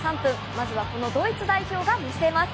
まずはこのドイツ代表が見せます。